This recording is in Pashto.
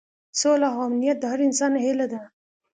سوله او امنیت د هر انسان هیله ده.